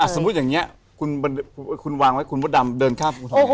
สมมุติอย่างนี้คุณวางไว้คุณพ่อดำเดินข้ามคุณทำยังไง